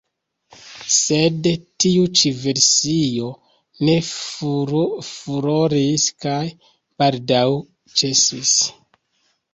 Sed tiu ĉi versio ne furoris kaj baldaŭ ĉesis.